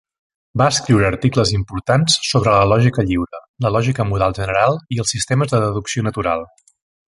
Va escriure articles importants sobre la lògica lliure, la lògica modal general i els sistemes de deducció natural.